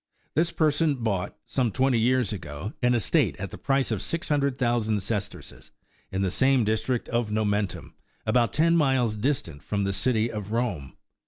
This person bought, some twenty years ago, an estate at the price of six hundred thousand sesterces in the same district of Momentum, about ten miles distant from the City of Rome.